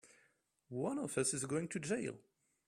One of us is going to jail!